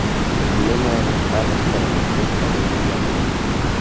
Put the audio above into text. Su lema era "Alas para la Cuenca del Plata".